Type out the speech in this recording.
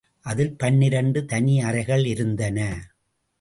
அதில் பன்னிரண்டு தனி அறைகள் இருந்தன.